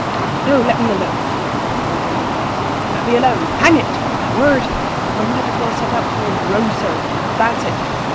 "No, let me alone," went on the druggist "let me alone, hang it! My word! One might as well set up for a grocer. That's it!